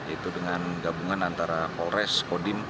itu dengan gabungan antara polres kodim